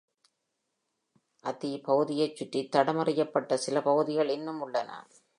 Athy பகுதியைச் சுற்றி தடமறியப்பட்ட சில பகுதிகள் இன்னும் உள்ளன.